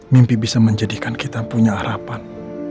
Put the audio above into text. mimpi bisa menjadikan kita punya harapan